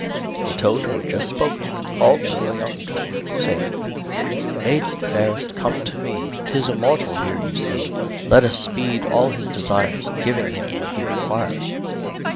The toad who had just spoken, called to a young toad, saying "Maiden, fairest, come to me, 'Tis a mortal here you see; Let us speed all his desires, Giving him what he requires."